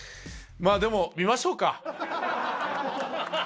まあでも、見ましょうか。